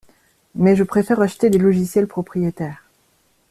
Mais je préfère acheter des logiciels propriétaires.